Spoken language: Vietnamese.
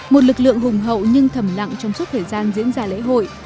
một lực lượng hùng hậu nhưng thầm lặng trong suốt thời gian diễn ra lễ hội